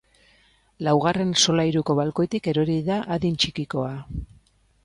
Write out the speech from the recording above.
Laugarren solairuko balkoitik erori da adin txikikoa.